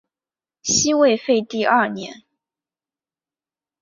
西魏废帝二年。